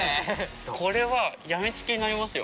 これは病みつきになりますよ。